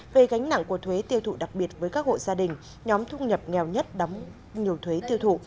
về gánh nặng của thuế tiêu thụ đặc biệt với các hộ gia đình nhóm thu nhập nghèo nhất đóng nhiều thuế tiêu thụ